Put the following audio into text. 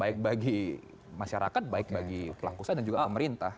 baik bagi masyarakat baik bagi pelaku usaha dan juga pemerintah